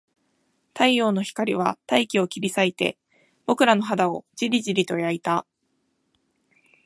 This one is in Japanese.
太陽の光は大気を切り裂いて、僕らの肌をじりじりと焼いた